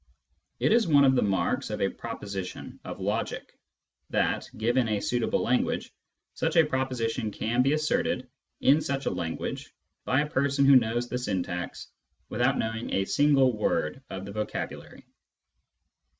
It is one of the marks of a proposition of logic that, given a suitable language, such a proposition can be asserted in such a language by a person who knows the syntax without knowing a single word of the vocabulary.